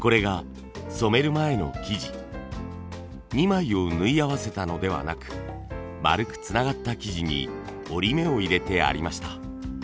２枚を縫い合わせたのではなく丸くつながった生地に折り目を入れてありました。